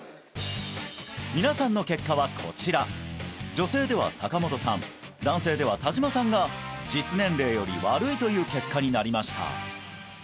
皆さんの結果はこちら女性では坂本さん男性では田島さんが実年齢より悪いという結果になりました